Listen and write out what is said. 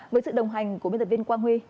với sự đồng hành của biên tập viên quang huy